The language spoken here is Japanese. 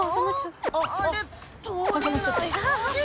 あれ？